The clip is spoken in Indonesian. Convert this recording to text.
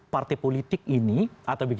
partai politik ini atau